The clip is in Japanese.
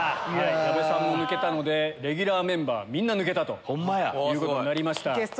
矢部さんも抜けたのでレギュラーメンバーみんな抜けたということになりました。